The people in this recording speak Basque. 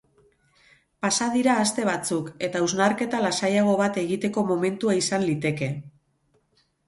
Pasa dira aste batzuk, eta hausnarketa lasaiago bat egiteko momentua izan liteke.